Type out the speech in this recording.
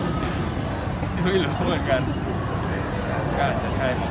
แล้วมีคนล่ะครับของขวัญสินหนึ่ง